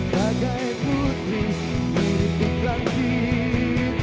bagai putri mirip buka diri